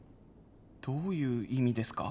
どういう意味ですか？